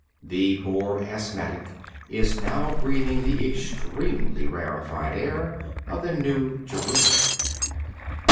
The poor asthmatic is now breathing the extremely rarified air of the New Jerusalem.